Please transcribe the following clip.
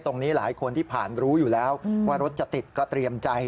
หลายคนที่ผ่านรู้อยู่แล้วว่ารถจะติดก็เตรียมใจ